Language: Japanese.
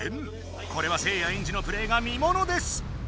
これはせいやエンジのプレーが見ものです！